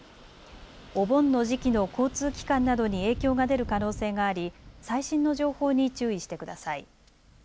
お盆の時期の交通機関などに影響が出る可能性があり最新の情報に注意してください。